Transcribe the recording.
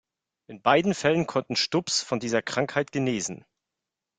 In beiden Fällen konnte Stubbs von dieser Krankheit genesen.